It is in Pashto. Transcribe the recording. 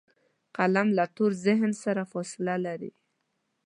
قلم له تور ذهن سره فاصله لري